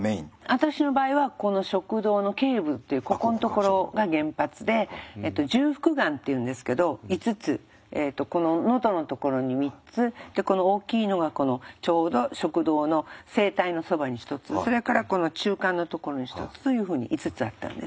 私の場合はこの食道の頸部っていうここんところが原発で重複がんっていうんですけど５つこののどのところに３つでこの大きいのがこのちょうど食道の声帯のそばに１つそれからこの中間のところに１つというふうに５つあったんです。